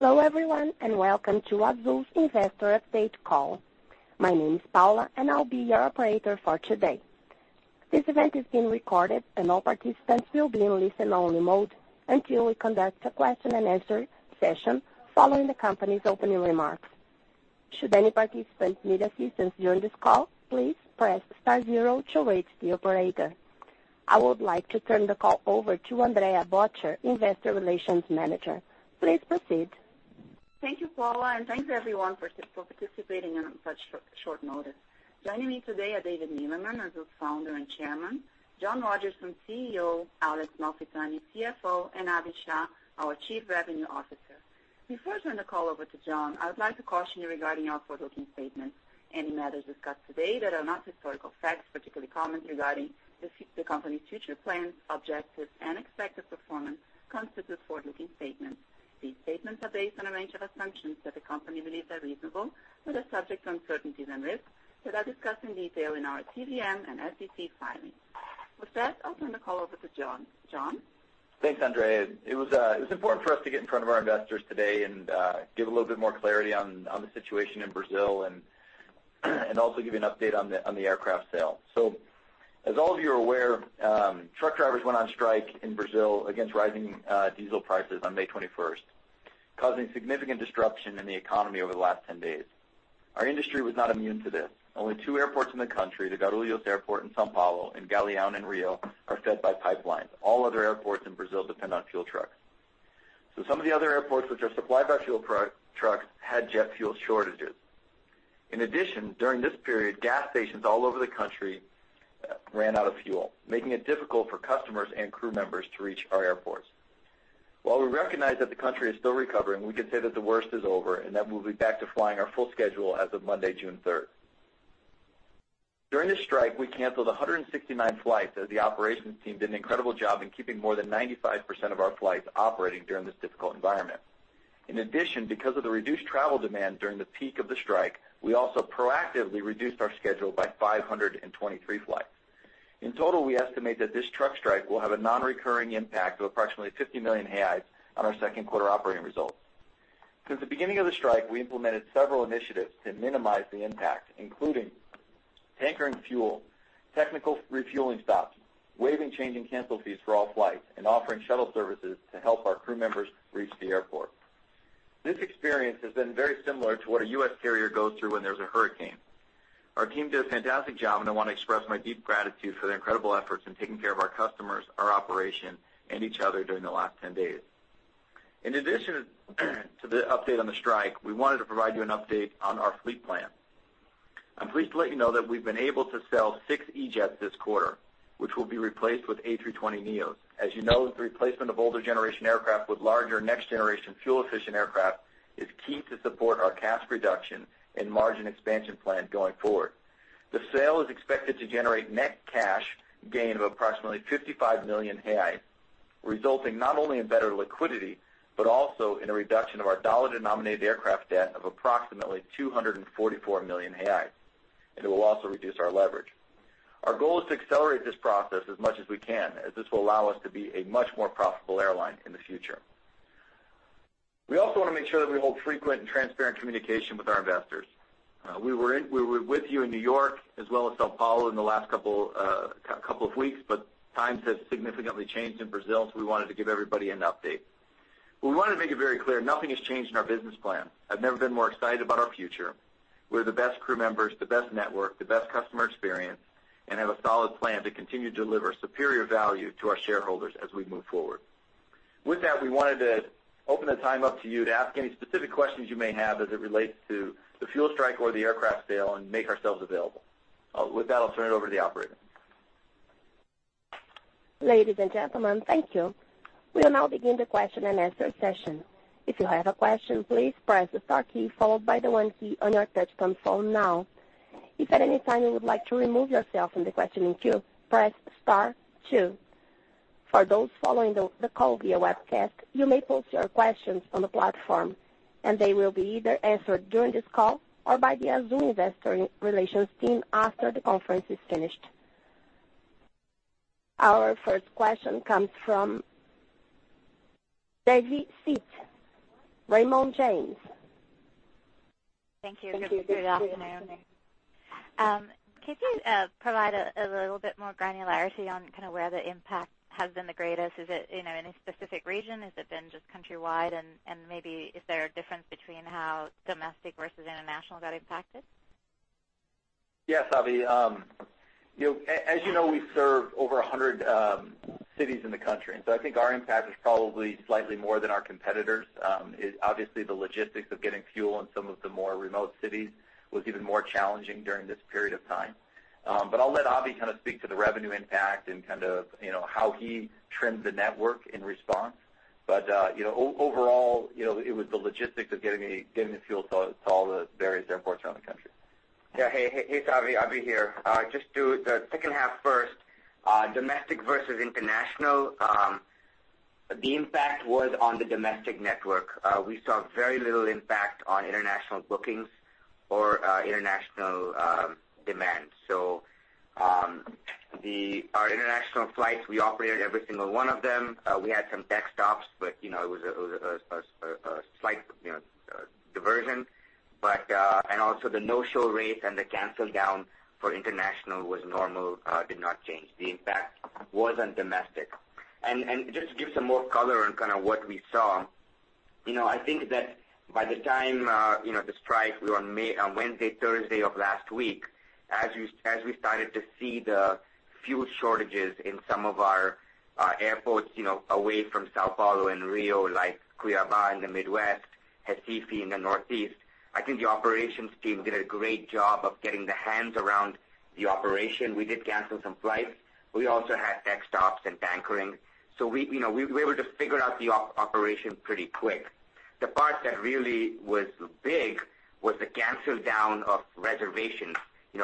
Hello everyone, welcome to Azul's Investor Update call. My name is Paula, and I'll be your operator for today. This event is being recorded, and all participants will be in listen-only mode until we conduct a question and answer session following the company's opening remarks. Should any participants need assistance during this call, please press star zero to reach the operator. I would like to turn the call over to Andrea Bottcher, Investor Relations Manager. Please proceed. Thank you, Paula, thanks everyone for participating on such short notice. Joining me today are David Neeleman, Azul's Founder and Chairman, John Rodgerson, CEO, Alex Malfitani, CFO, and Abhi Shah, our Chief Revenue Officer. Before I turn the call over to John, I would like to caution you regarding our forward-looking statements. Any matters discussed today that are not historical facts, particularly comments regarding the company's future plans, objectives, and expected performance constitute forward-looking statements. These statements are based on a range of assumptions that the company believes are reasonable, but are subject to uncertainties and risks that are discussed in detail in our 20-F and SEC filings. With that, I'll turn the call over to John. John? Thanks, Andrea. It was important for us to get in front of our investors today and give a little bit more clarity on the situation in Brazil, and also give you an update on the aircraft sale. As all of you are aware, truck drivers went on strike in Brazil against rising diesel prices on May 21st, causing significant disruption in the economy over the last 10 days. Our industry was not immune to this. Only two airports in the country, the Guarulhos Airport in São Paulo and Galeão in Rio, are fed by pipelines. All other airports in Brazil depend on fuel trucks. Some of the other airports which are supplied by fuel trucks had jet fuel shortages. In addition, during this period, gas stations all over the country ran out of fuel, making it difficult for customers and crew members to reach our airports. While we recognize that the country is still recovering, we can say that the worst is over, and that we'll be back to flying our full schedule as of Monday, June 3rd. During the strike, we canceled 169 flights as the operations team did an incredible job in keeping more than 95% of our flights operating during this difficult environment. In addition, because of the reduced travel demand during the peak of the strike, we also proactively reduced our schedule by 523 flights. In total, we estimate that this truck strike will have a non-recurring impact of approximately 50 million reais on our second quarter operating results. Since the beginning of the strike, we implemented several initiatives to minimize the impact, including tankering fuel, technical refueling stops, waiving change and cancel fees for all flights, and offering shuttle services to help our crew members reach the airport. This experience has been very similar to what a U.S. carrier goes through when there is a hurricane. Our team did a fantastic job, and I want to express my deep gratitude for their incredible efforts in taking care of our customers, our operation, and each other during the last 10 days. In addition to the update on the strike, we wanted to provide you an update on our fleet plan. I am pleased to let you know that we have been able to sell six E-Jets this quarter, which will be replaced with A320neo. As you know, the replacement of older generation aircraft with larger next-generation fuel-efficient aircraft is key to support our cash reduction and margin expansion plan going forward. The sale is expected to generate net cash gain of approximately 55 million, resulting not only in better liquidity, but also in a reduction of our dollar-denominated aircraft debt of approximately 244 million. It will also reduce our leverage. Our goal is to accelerate this process as much as we can, as this will allow us to be a much more profitable airline in the future. We also want to make sure that we hold frequent and transparent communication with our investors. We were with you in New York as well as São Paulo in the last couple of weeks, but times have significantly changed in Brazil, so we wanted to give everybody an update. We wanted to make it very clear nothing has changed in our business plan. I have never been more excited about our future. We have the best crew members, the best network, the best customer experience, and have a solid plan to continue to deliver superior value to our shareholders as we move forward. We wanted to open the time up to you to ask any specific questions you may have as it relates to the fuel strike or the aircraft sale and make ourselves available. I will turn it over to the operator. Ladies and gentlemen, thank you. We will now begin the question-and-answer session. If you have a question, please press the star key followed by the 1 key on your touchtone phone now. If at any time you would like to remove yourself from the questioning queue, press star 2. For those following the call via webcast, you may post your questions on the platform, and they will be either answered during this call or by the Azul Investor Relations team after the conference is finished. Our first question comes from Savi Syth, Raymond James. Thank you. Good afternoon. Can you provide a little bit more granularity on where the impact has been the greatest? Is it in a specific region? Has it been just countrywide? Maybe is there a difference between how domestic versus international got impacted? Yes, Abhi. As you know, we serve over 100 cities in the country. I think our impact is probably slightly more than our competitors. Obviously, the logistics of getting fuel in some of the more remote cities was even more challenging during this period of time. I'll let Abhi speak to the revenue impact and how he trimmed the network in response. Overall, it was the logistics of getting the fuel to all the various airports around the country. Hey, it's Abhi here. Just do the second half first. Domestic versus international. The impact was on the domestic network. We saw very little impact on international bookings or international demand. Our international flights, we operated every single one of them. We had some tech stops, but it was a slight diversion. The no-show rates and the cancel down for international was normal, did not change. The impact was on domestic. Just to give some more color on what we saw, I think that by the time the strike was on Wednesday, Thursday of last week, as we started to see the fuel shortages in some of our airports away from São Paulo and Rio, like Cuiabá in the Midwest, Recife in the Northeast. I think the operations team did a great job of getting their hands around the operation. We did cancel some flights. We also had tech stops and bunkering. We were able to figure out the operation pretty quick. The part that really was big was the cancel down of reservations.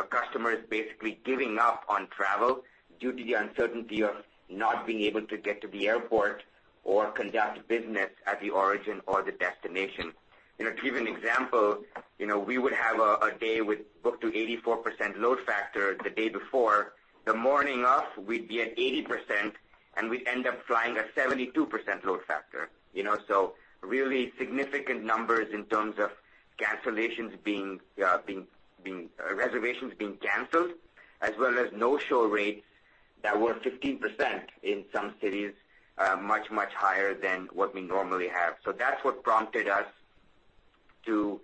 Customers basically giving up on travel due to the uncertainty of not being able to get to the airport or conduct business at the origin or the destination. To give an example, we would have a day with booked to 84% load factor the day before. The morning of, we'd be at 80%, and we end up flying a 72% load factor. Really significant numbers in terms of reservations being canceled, as well as no-show rates that were 15% in some cities, much, much higher than what we normally have. That's what prompted us to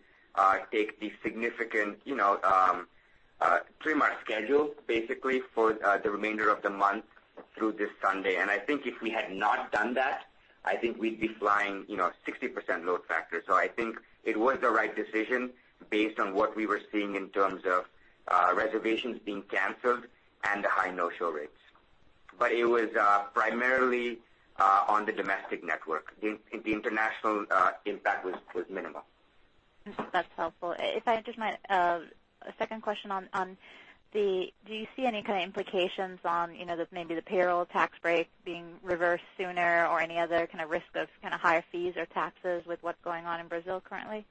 take the significant three-month schedule, basically for the remainder of the month through this Sunday. I think if we had not done that, I think we'd be flying 60% load factor. I think it was the right decision based on what we were seeing in terms of reservations being canceled and the high no-show rates. It was primarily on the domestic network. The international impact was minimal. That's helpful. If I just might, a second question on the, do you see any kind of implications on maybe the payroll tax break being reversed sooner or any other risk of higher fees or taxes with what's going on in Brazil currently?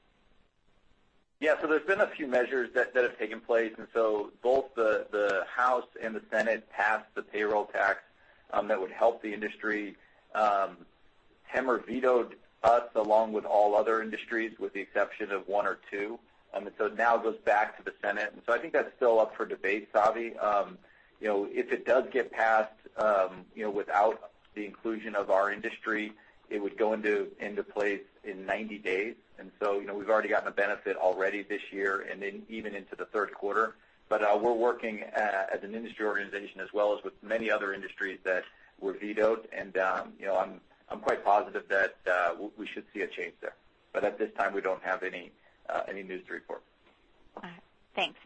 Yeah. There's been a few measures that have taken place, both the House and the Senate passed the payroll tax that would help the industry. Temer vetoed us along with all other industries, with the exception of one or two. Now it goes back to the Senate. I think that's still up for debate, Savi. If it does get passed without the inclusion of our industry, it would go into place in 90 days. We've already gotten the benefit already this year and then even into the third quarter. We're working as an industry organization as well as with many other industries that were vetoed, and I'm quite positive that we should see a change there. At this time, we don't have any news to report. All right. Thanks.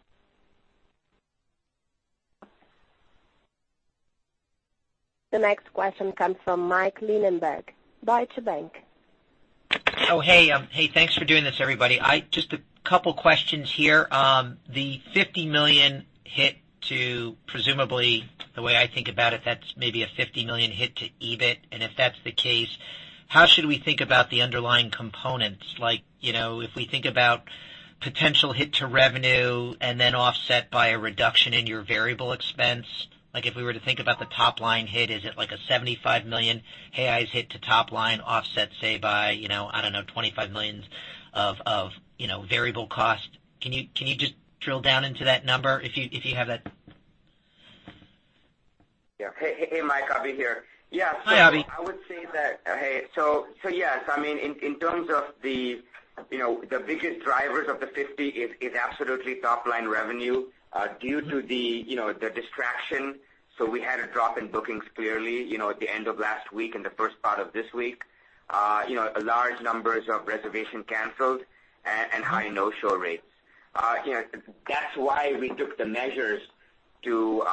The next question comes from Mike Linenberg, Deutsche Bank. Oh, hey. Thanks for doing this, everybody. Just a couple questions here. The 50 million hit, presumably the way I think about it, that's maybe a 50 million hit to EBIT. If that's the case, how should we think about the underlying components? Like, if we think about potential hit to revenue and then offset by a reduction in your variable expense. If we were to think about the top-line hit, is it like a 75 million hit to top line offset, say, by, I don't know, 25 million of variable cost? Can you just drill down into that number if you have that? Yeah. Hey, Mike, Abhi here. Yeah. Hi, Abhi. I would say that. Hey. Yes, in terms of the biggest drivers of the 50 is absolutely top-line revenue due to the distraction. We had a drop in bookings clearly at the end of last week and the first part of this week. Large numbers of reservation canceled and high no-show rates. That's why we took the measures to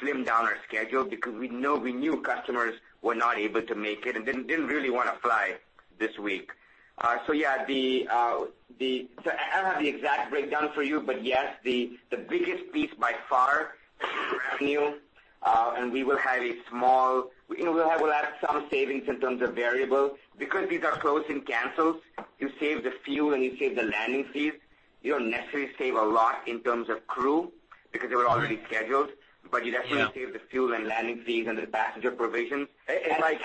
slim down our schedule because we knew customers were not able to make it and didn't really want to fly this week. Yeah, I don't have the exact breakdown for you, but yes, the biggest piece by far is revenue. We will have some savings in terms of variable. Because these are closed and canceled, you save the fuel, and you save the landing fees. You don't necessarily save a lot in terms of crew because they were already scheduled. You definitely save the fuel and landing fees and the passenger provisions. Mike.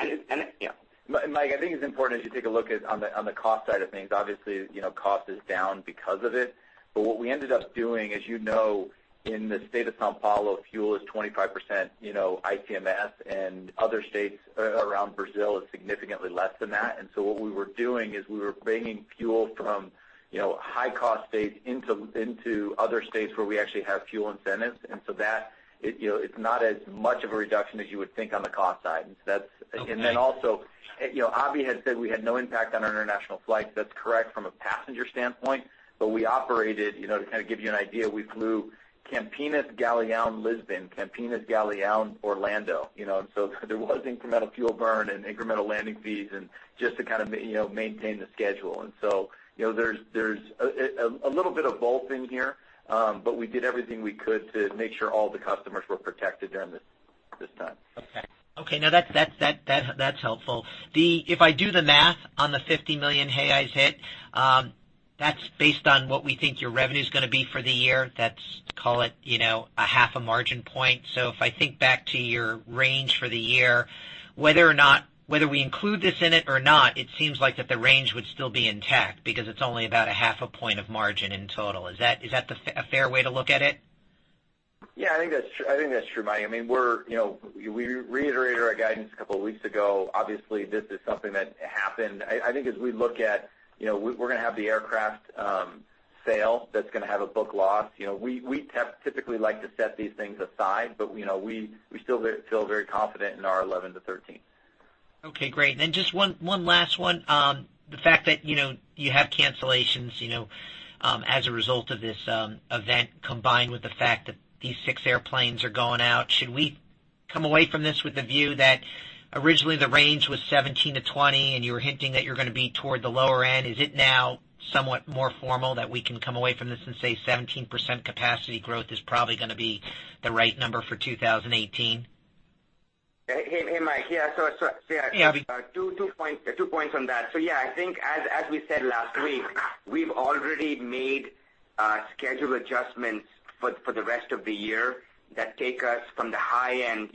Yeah. Mike, I think it's important as you take a look on the cost side of things. Obviously, cost is down because of it. What we ended up doing as you know, in the state of São Paulo, fuel is 25% ICMS, and other states around Brazil is significantly less than that. What we were doing is we were bringing fuel from high-cost states into other states where we actually have fuel incentives. That, it's not as much of a reduction as you would think on the cost side. That's. Okay. Also, Abhi had said we had no impact on our international flights. That's correct from a passenger standpoint. We operated, to kind of give you an idea, we flew Campinas, Galeão, Lisbon, Campinas, Galeão, Orlando. There was incremental fuel burn and incremental landing fees and just to kind of maintain the schedule. There's a little bit of both in here. We did everything we could to make sure all the customers were protected during this. Okay. Now that's helpful. If I do the math on the 50 million reais, [high] hit, that's based on what we think your revenue's going to be for the year, that's, call it, a half a margin point. If I think back to your range for the year, whether we include this in it or not, it seems like that the range would still be intact because it's only about a half a point of margin in total. Is that a fair way to look at it? Yeah, I think that's true, Mike Linenberg. We reiterated our guidance a couple of weeks ago. Obviously, this is something that happened. I think as we look at, we're going to have the aircraft sale that's going to have a book loss. We typically like to set these things aside, but we still feel very confident in our 11%-13%. Okay, great. Just one last one. The fact that you have cancellations as a result of this event, combined with the fact that these six airplanes are going out, should we come away from this with the view that originally the range was 17%-20%, and you were hinting that you're going to be toward the lower end. Is it now somewhat more formal that we can come away from this and say 17% capacity growth is probably going to be the right number for 2018? Hey, Mike. Yeah. Yeah. Two points on that. Yeah, I think as we said last week, we've already made schedule adjustments for the rest of the year that take us from the high end,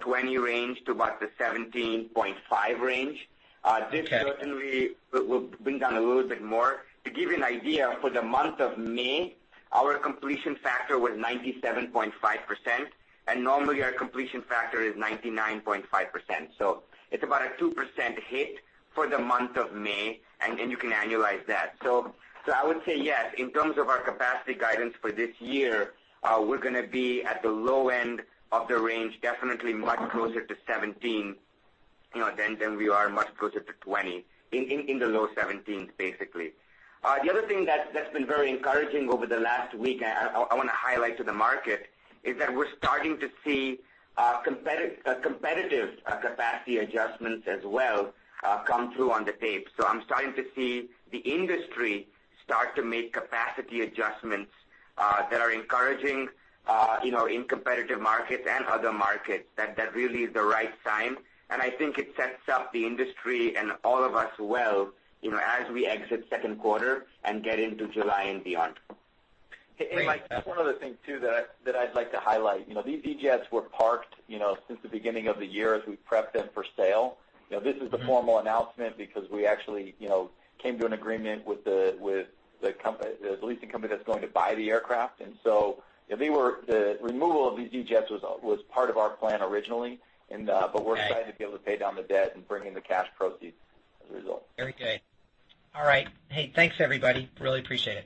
20 range to about the 17.5 range. Okay. This certainly will bring down a little bit more. To give you an idea, for the month of May, our completion factor was 97.5%, and normally our completion factor is 99.5%. It's about a 2% hit for the month of May, and you can annualize that. I would say yes, in terms of our capacity guidance for this year, we're going to be at the low end of the range, definitely much closer to 17 than we are much closer to 20, in the low 17s, basically. The other thing that's been very encouraging over the last week, I want to highlight to the market, is that we're starting to see competitive capacity adjustments as well come through on the tape. I'm starting to see the industry start to make capacity adjustments that are encouraging in competitive markets and other markets. That really is the right sign, and I think it sets up the industry and all of us well as we exit second quarter and get into July and beyond. Great. Hey, Mike, one other thing too that I'd like to highlight. These E-Jet were parked since the beginning of the year as we prepped them for sale. This is the formal announcement because we actually came to an agreement with the leasing company that's going to buy the aircraft. The removal of these E-Jet was part of our plan originally. Okay. We're excited to be able to pay down the debt and bring in the cash proceeds as a result. Very good. All right. Hey, thanks, everybody. Really appreciate it.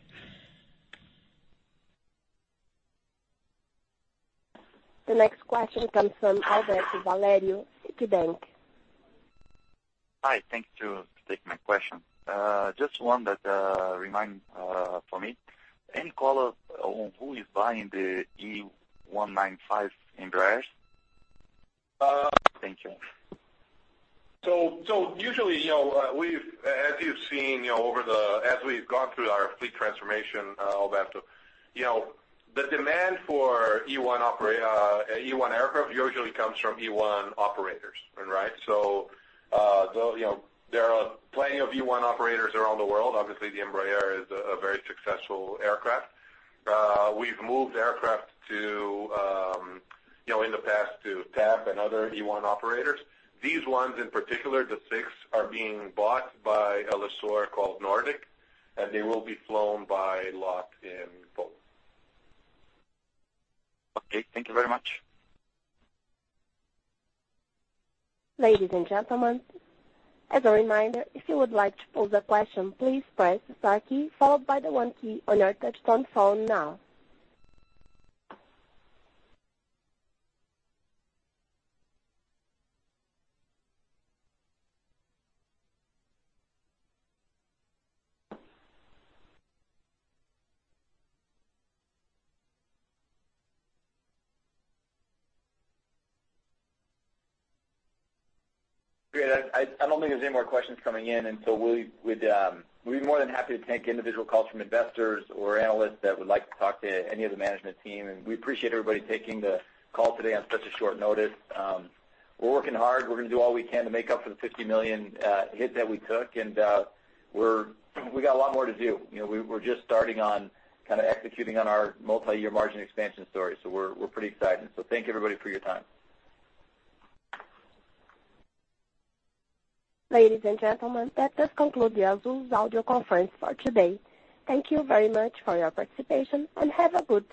The next question comes from Alberto Valerio, Citi. Hi. Thank you. Take my question. Just one that remind for me, any color on who is buying the E195 Embraers? Thank you. Usually, as you've seen as we've gone through our fleet transformation, Alberto, the demand for E1 aircraft usually comes from E1 operators. There are plenty of E1 operators around the world. Obviously, the Embraer is a very successful aircraft. We've moved aircraft in the past to TAME and other E1 operators. These ones in particular, the six are being bought by a lessor called Nordic, and they will be flown by locked in both. Okay. Thank you very much. Ladies and gentlemen, as a reminder, if you would like to pose a question, please press the star key followed by the one key on your touchtone phone now. Great. I don't think there's any more questions coming in. We'd be more than happy to take individual calls from investors or analysts that would like to talk to any of the management team. We appreciate everybody taking the call today on such a short notice. We're working hard. We're going to do all we can to make up for the 50 million hit that we took. We got a lot more to do. We're just starting on kind of executing on our multi-year margin expansion story. We're pretty excited. Thank you everybody for your time. Ladies and gentlemen, that does conclude the Azul's audio conference for today. Thank you very much for your participation and have a good day.